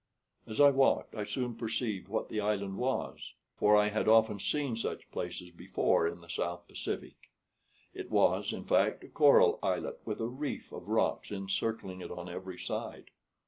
As I walked I soon perceived what the island was; for I had often seen such places before in the South Pacific. It was, in fact, a coral islet, with a reef of rocks encircling it on every side.